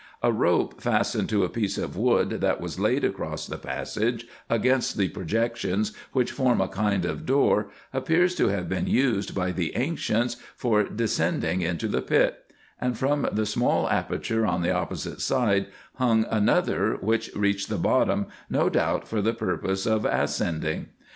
A rope fastened to a piece of wood, that was laid across the passage against the pro jections which form a kind of door, appears to have been used by the ancients for descending into the pit ; and from the small aperture on the opposite side hung another, which reached the bottom, no doubt for the purpose of ascending.